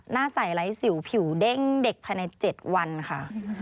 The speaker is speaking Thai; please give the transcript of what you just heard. หน้าใสไร้สิวผิวเด้งเด็กภายใน๗วันค่ะ